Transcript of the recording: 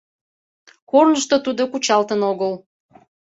Корнышто тудо кучалтын огыл.